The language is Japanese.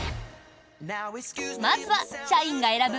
まずは社員が選ぶ